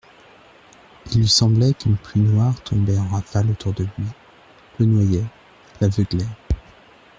Il lui semblait qu'une pluie noire tombait en rafale autour de lui, le noyait, l'aveuglait.